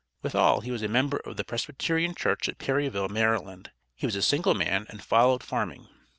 Withal he was a member of the Presbyterian church at Perryville, Maryland; he was a single man and followed farming.